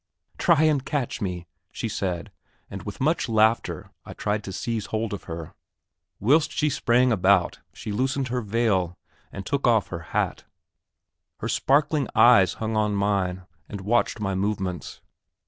"Try and catch me," she said; and with much laughter I tried to seize hold of her. Whilst she sprang about, she loosened her veil, and took off her hat; her sparkling eyes hung on mine, and watched my movements.